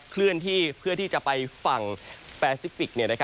เคลื่อนที่เพื่อที่จะไปฝั่งแปซิฟิก